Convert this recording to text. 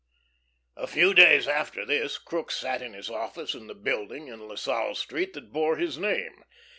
A few days after this Crookes sat in his office in the building in La Salle Street that bore his name.